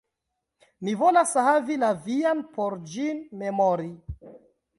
Mi volas havi la vian, por ĝin memori.